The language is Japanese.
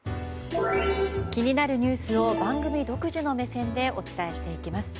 気になるニュースを番組独自の目線でお伝えしていきます。